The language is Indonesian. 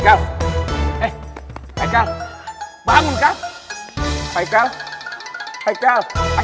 kau kau kau aku bangun kau udah ikut maksimal hai